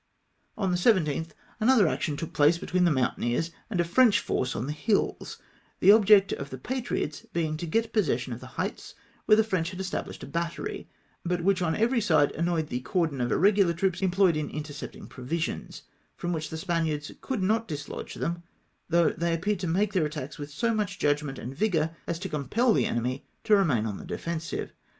On the 17th another action took place between the mountaineers and a French force on the hills, the object of the patriots bemg to get possession of the heights, where the French had established a battery, but which on every side amioyed the cordon of irre gular troops employed in intercepting provisions, from which the Spaniards could not chslodge them, though they appeared to make their attacks with so much judgment and vigour as to compel the enemy to remain on the defensive.